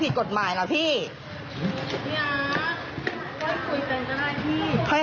พี่อัสเดี๋ยวกับน้องกันเลยนะ